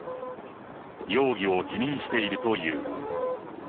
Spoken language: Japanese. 容疑を否認しているという。